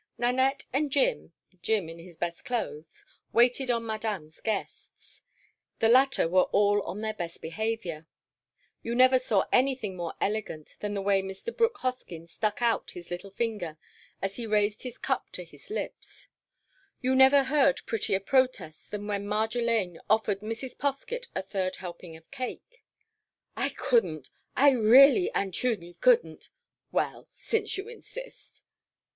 Nanette and Jim—Jim in his best clothes—waited on Madame's guests. The latter were all on their best behaviour. You never saw anything more elegant than the way Mr. Brooke Hoskyn stuck out his little finger as he raised his cup to his lips; you never heard prettier protests than when Marjolaine offered Mrs. Poskett a third helping of cake. "I couldn't! I reely and truly couldn't!—Well, since you insist!"